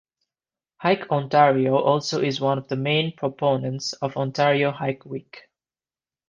Hike Ontario also is one of the main proponents of Ontario Hike Week.